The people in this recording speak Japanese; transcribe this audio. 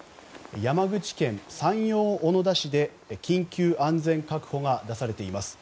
山口県山陽小野田市で緊急安全確保が出されています。